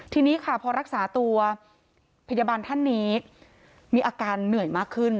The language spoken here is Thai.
ทีนี้ค่ะพอรักษาตัวพยาบาลท่านนี้มีอาการเหนื่อยมากขึ้น